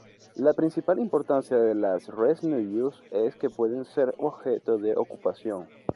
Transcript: La principal importancia de las "res nullius" es que pueden ser objeto de ocupación.